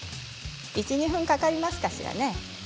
１、２分かかるかしらね。